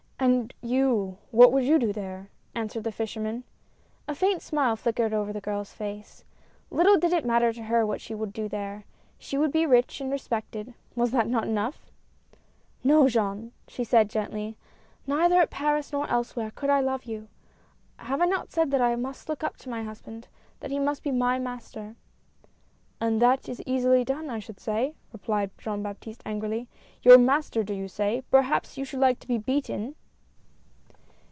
"And you, what would you do there ?" answered the fisherman. A faint smile flickered over the girl's face. Little did it matter to her what she would do there. She would be rich and respected — was not that enough ? "No, Jean," she said, gently, "neither at Paris or elsewhere, could I love you. Have I not said that I must look up to my husband — that he must be my master." " And that is easily done, I should say !" replied Jean Baptiste, angrily. "Your master, do you say? Perhaps you would like to be beaten